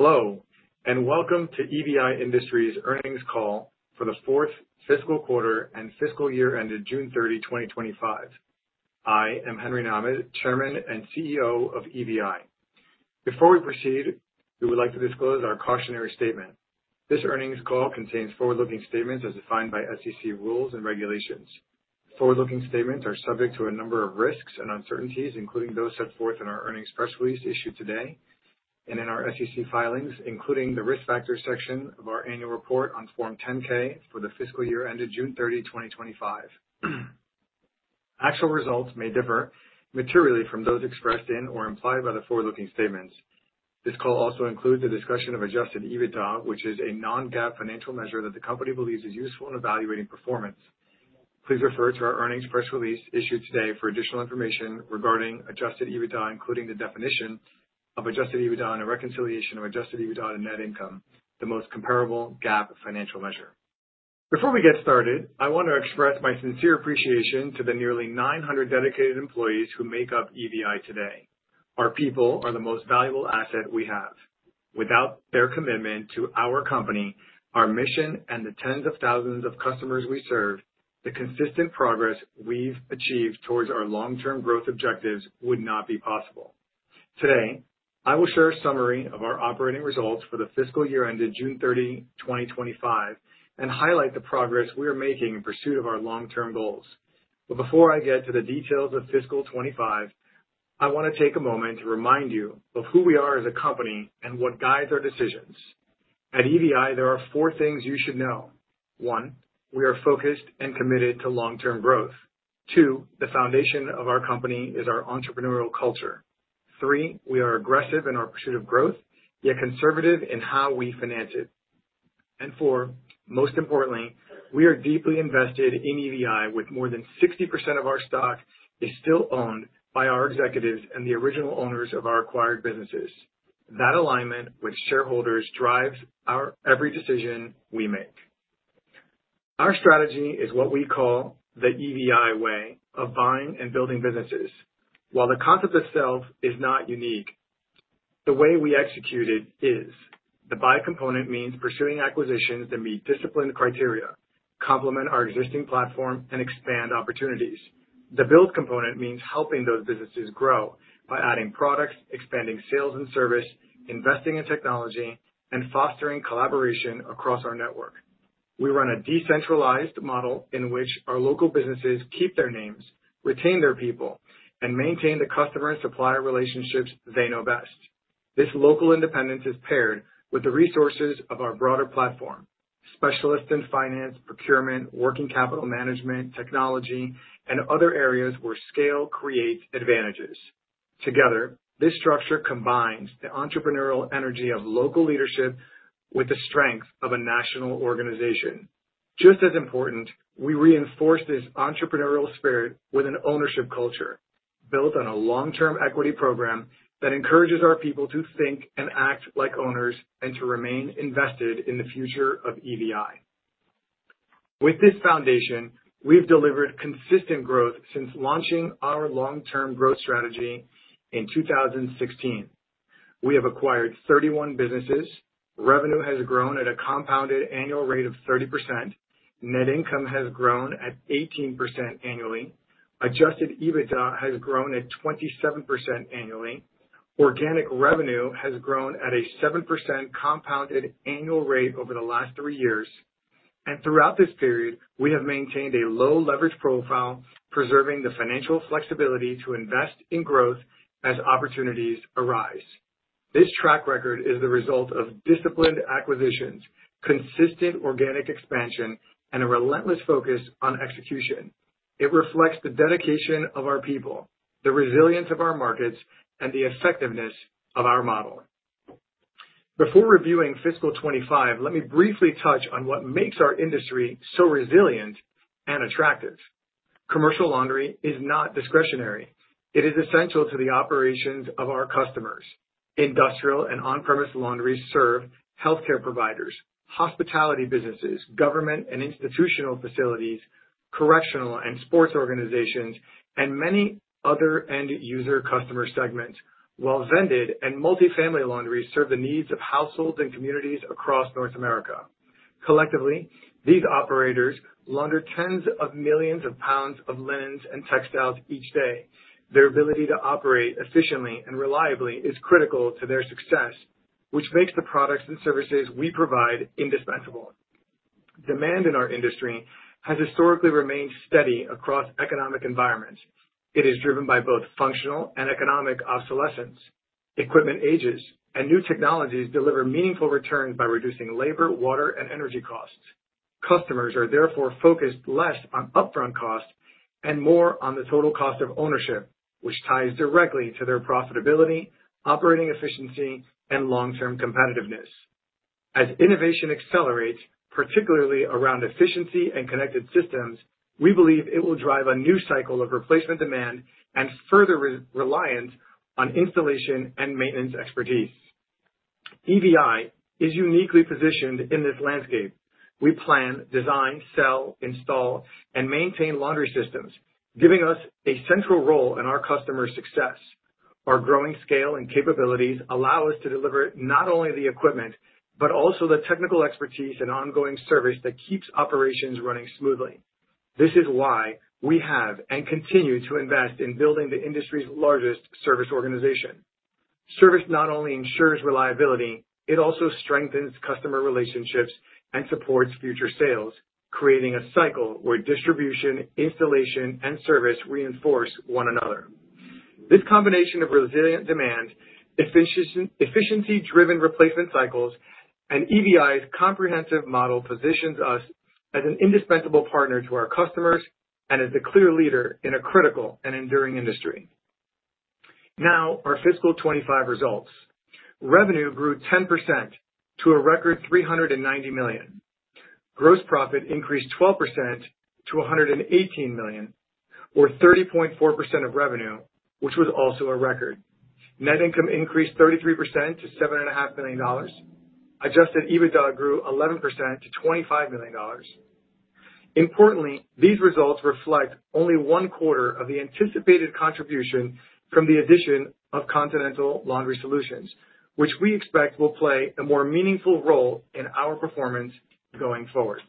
Hello and welcome to EVI Industries' earnings call for the fourth fiscal quarter and fiscal year ended June 30, 2025. I am Henry Nahmad, Chairman and CEO of EVI. Before we proceed, we would like to disclose our cautionary statement. This earnings call contains forward-looking statements as defined by SEC rules and regulations. Forward-looking statements are subject to a number of risks and uncertainties, including those set forth in our earnings press release issued today and in our SEC filings, including the risk factors section of our annual report on Form 10-K for the fiscal year ended June 30, 2025. Actual results may differ materially from those expressed in or implied by the forward-looking statements. This call also includes a discussion of adjusted EBITDA, which is a non-GAAP financial measure that the company believes is useful in evaluating performance. Please refer to our earnings press release issued today for additional information regarding Adjusted EBITDA, including the definition of Adjusted EBITDA and a reconciliation of Adjusted EBITDA to net income, the most comparable GAAP financial measure. Before we get started, I want to express my sincere appreciation to the nearly 900 dedicated employees who make up EVI today. Our people are the most valuable asset we have. Without their commitment to our company, our mission, and the tens of thousands of customers we serve, the consistent progress we've achieved towards our long-term growth objectives would not be possible. Today, I will share a summary of our operating results for the fiscal year ended June 30, 2025, and highlight the progress we are making in pursuit of our long-term goals. Before I get to the details of fiscal 2025, I want to take a moment to remind you of who we are as a company and what guides our decisions. At EVI, there are four things you should know. One, we are focused and committed to long-term growth. Two, the foundation of our company is our entrepreneurial culture. Three, we are aggressive in our pursuit of growth, yet conservative in how we finance it. And four, most importantly, we are deeply invested in EVI, with more than 60% of our stock still owned by our executives and the original owners of our acquired businesses. That alignment with shareholders drives every decision we make. Our strategy is what we call the EVI way of buying and building businesses. While the concept itself is not unique, the way we execute it is. The buy component means pursuing acquisitions that meet disciplined criteria, complement our existing platform, and expand opportunities. The build component means helping those businesses grow by adding products, expanding sales and service, investing in technology, and fostering collaboration across our network. We run a decentralized model in which our local businesses keep their names, retain their people, and maintain the customer and supplier relationships they know best. This local independence is paired with the resources of our broader platform: specialists in finance, procurement, working capital management, technology, and other areas where scale creates advantages. Together, this structure combines the entrepreneurial energy of local leadership with the strength of a national organization. Just as important, we reinforce this entrepreneurial spirit with an ownership culture built on a long-term equity program that encourages our people to think and act like owners and to remain invested in the future of EVI. With this foundation, we've delivered consistent growth since launching our long-term growth strategy in 2016. We have acquired 31 businesses. Revenue has grown at a compounded annual rate of 30%. Net income has grown at 18% annually. Adjusted EBITDA has grown at 27% annually. Organic revenue has grown at a 7% compounded annual rate over the last three years. Throughout this period, we have maintained a low leverage profile, preserving the financial flexibility to invest in growth as opportunities arise. This track record is the result of disciplined acquisitions, consistent organic expansion, and a relentless focus on execution. It reflects the dedication of our people, the resilience of our markets, and the effectiveness of our model. Before reviewing fiscal 2025, let me briefly touch on what makes our industry so resilient and attractive. Commercial laundry is not discretionary. It is essential to the operations of our customers. Industrial and on-premise laundries serve healthcare providers, hospitality businesses, government and institutional facilities, correctional and sports organizations, and many other end-user customer segments, while vended and multi-family laundries serve the needs of households and communities across North America. Collectively, these operators launder tens of millions of pounds of linens and textiles each day. Their ability to operate efficiently and reliably is critical to their success, which makes the products and services we provide indispensable. Demand in our industry has historically remained steady across economic environments. It is driven by both functional and economic obsolescence. Equipment ages and new technologies deliver meaningful returns by reducing labor, water, and energy costs. Customers are therefore focused less on upfront costs and more on the total cost of ownership, which ties directly to their profitability, operating efficiency, and long-term competitiveness. As innovation accelerates, particularly around efficiency and connected systems, we believe it will drive a new cycle of replacement demand and further reliance on installation and maintenance expertise. EVI is uniquely positioned in this landscape. We plan, design, sell, install, and maintain laundry systems, giving us a central role in our customer success. Our growing scale and capabilities allow us to deliver not only the equipment but also the technical expertise and ongoing service that keeps operations running smoothly. This is why we have and continue to invest in building the industry's largest service organization. Service not only ensures reliability, it also strengthens customer relationships and supports future sales, creating a cycle where distribution, installation, and service reinforce one another. This combination of resilient demand, efficiency-driven replacement cycles, and EVI's comprehensive model positions us as an indispensable partner to our customers and as a clear leader in a critical and enduring industry. Now, our fiscal 2025 results. Revenue grew 10% to a record $390 million. Gross profit increased 12% to $118 million, or 30.4% of revenue, which was also a record. Net income increased 33% to $7.5 million. Adjusted EBITDA grew 11% to $25 million. Importantly, these results reflect only one-quarter of the anticipated contribution from the addition of Continental Laundry Solutions, which we expect will play a more meaningful role in our performance going forward.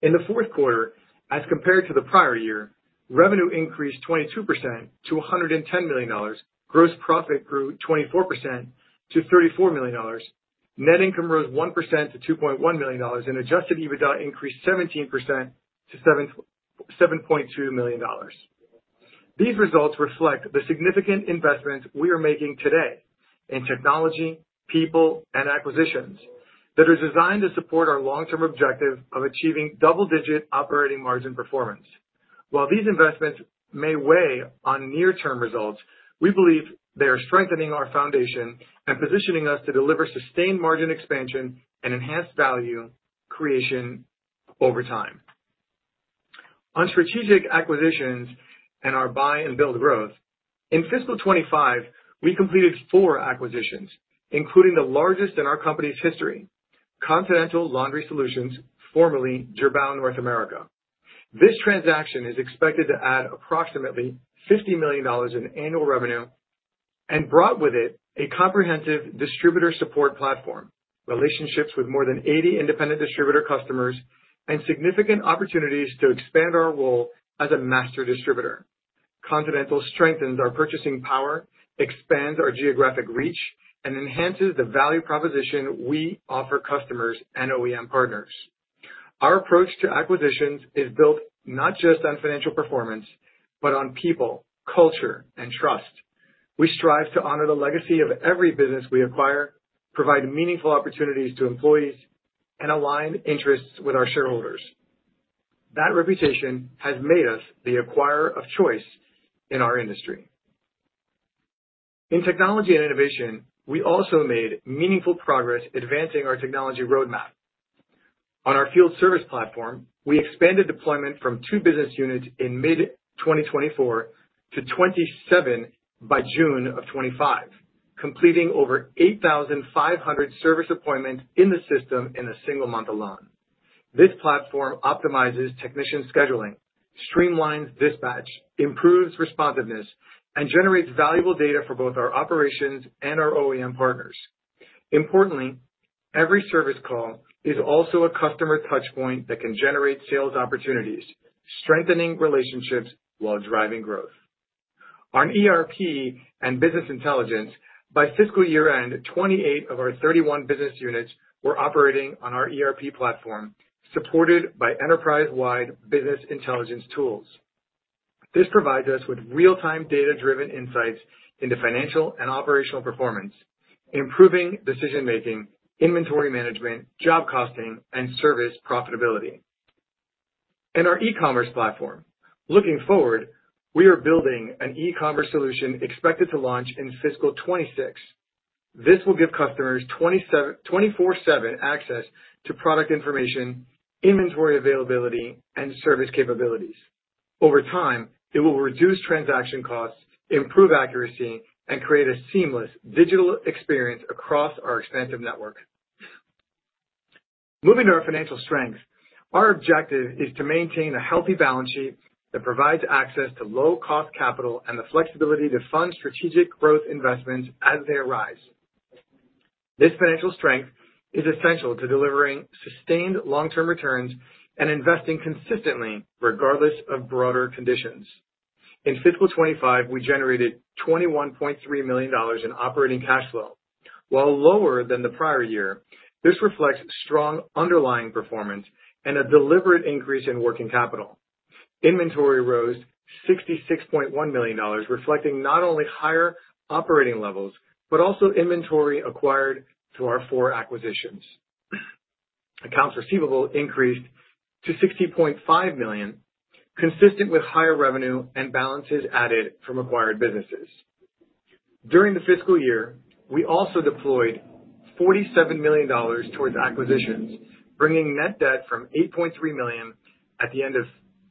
In the fourth quarter, as compared to the prior year, revenue increased 22% to $110 million. Gross profit grew 24% to $34 million. Net income rose 1% to $2.1 million, and adjusted EBITDA increased 17% to $7.2 million. These results reflect the significant investments we are making today in technology, people, and acquisitions that are designed to support our long-term objective of achieving double-digit operating margin performance. While these investments may weigh on near-term results, we believe they are strengthening our foundation and positioning us to deliver sustained margin expansion and enhanced value creation over time. On strategic acquisitions and our buy and build growth, in fiscal 2025, we completed four acquisitions, including the largest in our company's history, Continental Laundry Solutions, formerly Girbau North America. This transaction is expected to add approximately $50 million in annual revenue and brought with it a comprehensive distributor support platform, relationships with more than 80 independent distributor customers, and significant opportunities to expand our role as a master distributor. Continental strengthens our purchasing power, expands our geographic reach, and enhances the value proposition we offer customers and OEM partners. Our approach to acquisitions is built not just on financial performance but on people, culture, and trust. We strive to honor the legacy of every business we acquire, provide meaningful opportunities to employees, and align interests with our shareholders. That reputation has made us the acquirer of choice in our industry. In technology and innovation, we also made meaningful progress advancing our technology roadmap. On our field service platform, we expanded deployment from 2 business units in mid-2024 to 27 by June of 2025, completing over 8,500 service appointments in the system in a single month alone. This platform optimizes technician scheduling, streamlines dispatch, improves responsiveness, and generates valuable data for both our operations and our OEM partners. Importantly, every service call is also a customer touchpoint that can generate sales opportunities, strengthening relationships while driving growth. On ERP and business intelligence, by fiscal year-end, 28 of our 31 business units were operating on our ERP platform, supported by enterprise-wide business intelligence tools. This provides us with real-time data-driven insights into financial and operational performance, improving decision-making, inventory management, job costing, and service profitability. In our e-commerce platform, looking forward, we are building an e-commerce solution expected to launch in fiscal 2026. This will give customers 24/7 access to product information, inventory availability, and service capabilities. Over time, it will reduce transaction costs, improve accuracy, and create a seamless digital experience across our expansive network. Moving to our financial strengths, our objective is to maintain a healthy balance sheet that provides access to low-cost capital and the flexibility to fund strategic growth investments as they arise. This financial strength is essential to delivering sustained long-term returns and investing consistently regardless of broader conditions. In fiscal 2025, we generated $21.3 million in operating cash flow. While lower than the prior year, this reflects strong underlying performance and a deliberate increase in working capital. Inventory rose $66.1 million, reflecting not only higher operating levels but also inventory acquired through our four acquisitions. Accounts receivable increased to $60.5 million, consistent with higher revenue and balances added from acquired businesses. During the fiscal year, we also deployed $47 million towards acquisitions, bringing net debt from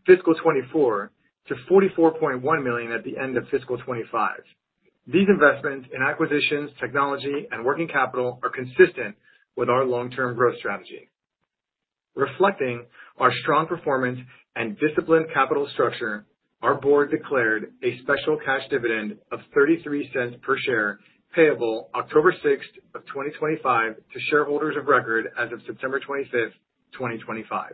$8.3 million at the end of fiscal 2024 to $44.1 million at the end of fiscal 2025. These investments in acquisitions, technology, and working capital are consistent with our long-term growth strategy. Reflecting our strong performance and disciplined capital structure, our board declared a special cash dividend of $0.33 per share payable October 6th of 2025 to shareholders of record as of September 25th, 2025.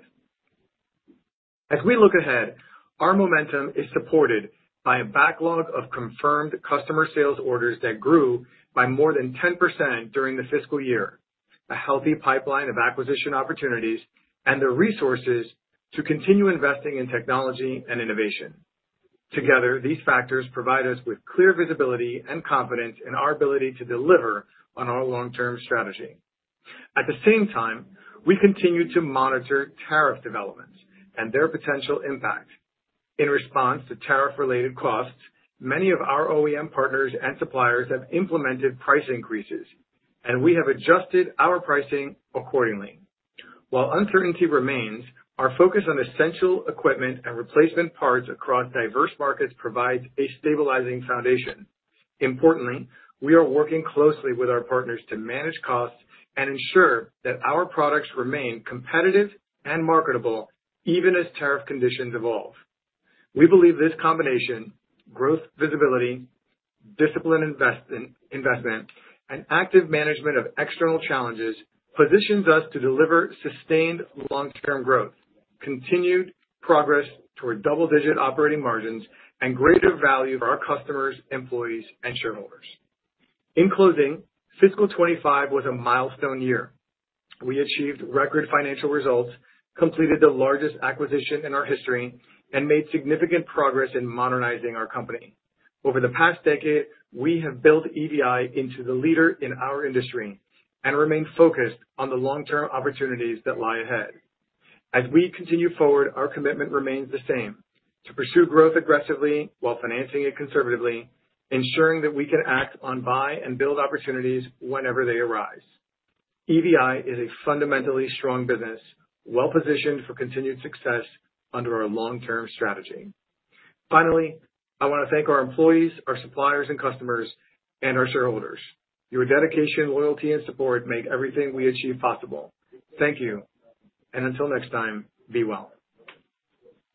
As we look ahead, our momentum is supported by a backlog of confirmed customer sales orders that grew by more than 10% during the fiscal year, a healthy pipeline of acquisition opportunities, and the resources to continue investing in technology and innovation. Together, these factors provide us with clear visibility and confidence in our ability to deliver on our long-term strategy. At the same time, we continue to monitor tariff developments and their potential impact. In response to tariff-related costs, many of our OEM partners and suppliers have implemented price increases, and we have adjusted our pricing accordingly. While uncertainty remains, our focus on essential equipment and replacement parts across diverse markets provides a stabilizing foundation. Importantly, we are working closely with our partners to manage costs and ensure that our products remain competitive and marketable even as tariff conditions evolve. We believe this combination (growth visibility, disciplined investment, and active management of external challenges) positions us to deliver sustained long-term growth, continued progress toward double-digit operating margins, and greater value for our customers, employees, and shareholders. In closing, fiscal 2025 was a milestone year. We achieved record financial results, completed the largest acquisition in our history, and made significant progress in modernizing our company. Over the past decade, we have built EVI into the leader in our industry and remained focused on the long-term opportunities that lie ahead. As we continue forward, our commitment remains the same: to pursue growth aggressively while financing it conservatively, ensuring that we can act on buy and build opportunities whenever they arise. EVI is a fundamentally strong business, well-positioned for continued success under our long-term strategy. Finally, I want to thank our employees, our suppliers and customers, and our shareholders. Your dedication, loyalty, and support make everything we achieve possible. Thank you. And until next time, be well.